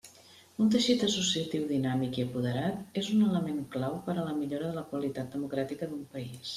Un teixit associatiu dinàmic i apoderat és un element clau per a la millora de la qualitat democràtica d'un país.